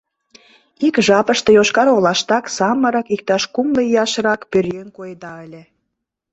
Ик жапыште Йошкар-Олаштак самырык, иктаж кумло ияшрак пӧръеҥ коеда ыле.